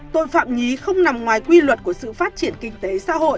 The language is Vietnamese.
tội phạm nhí không nằm ngoài quy luật của sự phát triển kinh tế